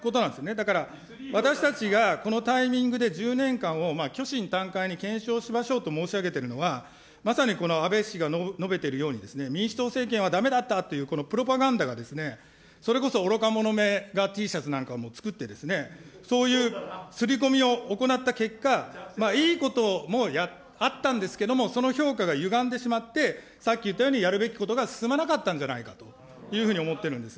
だから、私たちがこのタイミングで１０年間を虚心坦懐に検証しましょうと申し上げてるのは、まさにこの安倍氏が述べているように、民主党政権はだめだったという、このプロパガンダが、それこそおろか者めなんかＴシャツなんかも作って、そういう刷り込みを行った結果、いいこともあったんですけども、その評価が歪んでしまって、さっき言ったようにやるべきことが進まなかったんじゃないかというふうに思ってるんです。